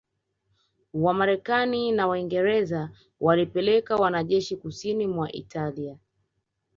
Wamarekani na Waingereza walipeleka wanajeshi Kusini mwa Italia